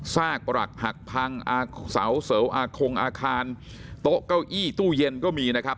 ซากปรักหักพังอาเสาเสวอาคงอาคารโต๊ะเก้าอี้ตู้เย็นก็มีนะครับ